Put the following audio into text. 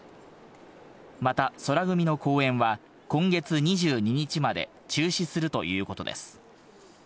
また宙組の公演は、今月２２日まで中止するということです。